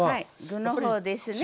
具の方ですね。